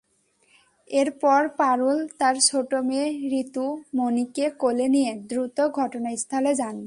এরপর পারুল তাঁর ছোট মেয়ে ঋতু মনিকে কোলে নিয়ে দ্রুত ঘটনাস্থলে যান।